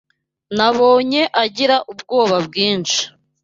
Nabonye agira ubwoba bwinshi.